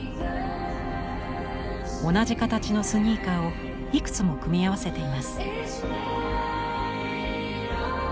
同じ形のスニーカーをいくつも組み合わせています。